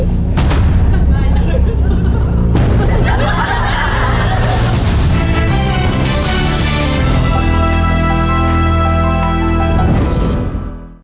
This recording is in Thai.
สวัสดีครับ